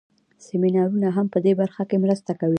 سمینارونه هم په دې برخه کې مرسته کوي.